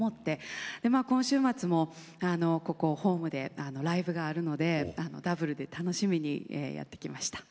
で今週末もここホームでライブがあるのでダブルで楽しみにやって来ました。